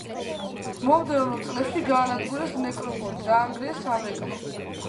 მომდევნო წლებში გაანადგურეს ნეკროპოლი, დაანგრიეს სამრეკლო.